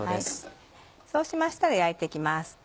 そうしましたら焼いて行きます。